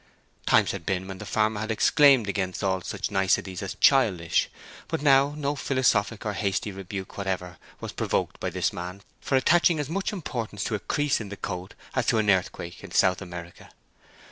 Times had been when the farmer had exclaimed against all such niceties as childish, but now no philosophic or hasty rebuke whatever was provoked by this man for attaching as much importance to a crease in the coat as to an earthquake in South America.